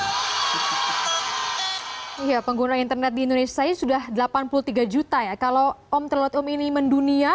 iya pengguna internet di indonesia ini sudah delapan puluh tiga juta ya kalau om telot om ini mendunia